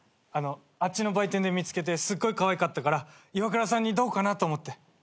あっちの売店で見つけてすっごいかわいかったからイワクラさんにどうかなと思って。